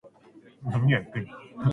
肘のあたりを持つ。